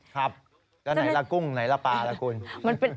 ครับแล้วไหนละกุ้งไหนละปลาระกุ้ง